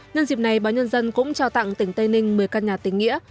nhân dịp này báo nhân dân cũng trao tặng tỉnh tây ninh một mươi căn nhà tỉnh nghĩa